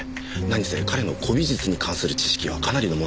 何せ彼の古美術に関する知識はかなりのものです。